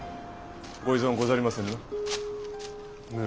ご異存ござりませぬな。